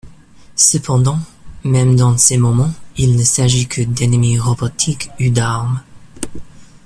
Cependant, même dans ces moments, il ne s'agit que d'ennemis robotiques, ou d'armes.